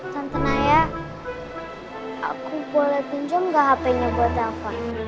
tante naya aku boleh kunjung gak hpnya buat telfon